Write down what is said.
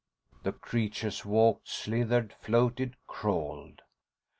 The creatures walked, slithered, floated, crawled.